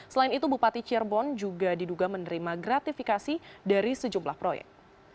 selain itu bupati cirebon juga diduga menerima gratifikasi dari sejumlah proyek